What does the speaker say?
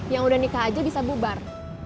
yang udah nikah aja bisa bubar